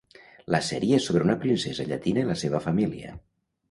La sèrie és sobre una princesa llatina i la seva família.